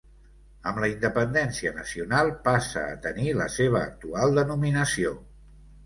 Amb la independència nacional passa a tenir la seva actual denominació.